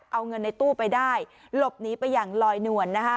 เอาเงินในตู้ไปได้หลบหนีไปอย่างลอยนวล